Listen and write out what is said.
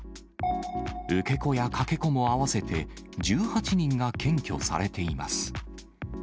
受け子やかけ子も合わせて１８人が検挙されています。